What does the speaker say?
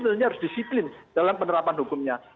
tentunya harus disiplin dalam penerapan hukumnya